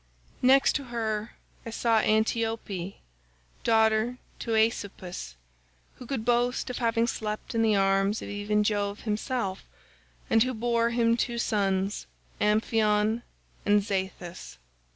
"Next to her I saw Antiope, daughter to Asopus, who could boast of having slept in the arms of even Jove himself, and who bore him two sons Amphion and Zethus.